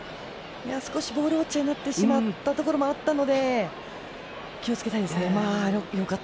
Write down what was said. ボールウォッチャーになってしまったところもあるので気をつけたいですね。